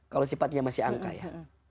kalau sifatnya masih angka ya